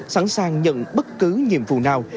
sẵn sàng nhận bất cứ nhiệm vụ nào